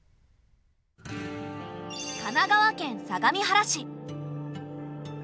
神奈川県相模原市。